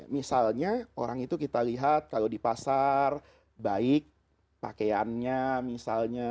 misalnya orang itu kita lihat kalau di pasar baik pakaiannya misalnya